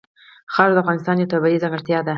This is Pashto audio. خاوره د افغانستان یوه طبیعي ځانګړتیا ده.